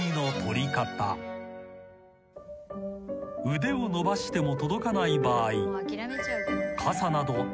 ［腕を伸ばしても届かない場合］